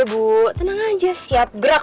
iya bu tenang aja siap gerak